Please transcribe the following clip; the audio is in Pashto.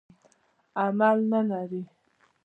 عمل نه لري.